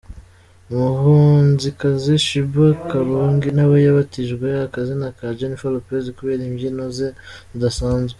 Umuhanzikazi Sheebah karungi nawe yabatijwe akazina ka Jennifer Lopez kubera imbyino ze zidasanzwe .